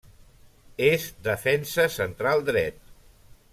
És defensa central dret.